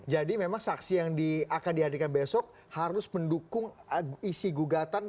jadi memang saksi yang akan dihadirkan besok harus mendukung isi gugatan